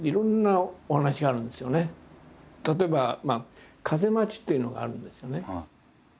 例えば「風待ち」っていうのがあるんですよね。